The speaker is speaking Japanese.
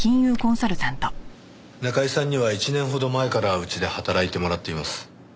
中井さんには１年ほど前からうちで働いてもらっています。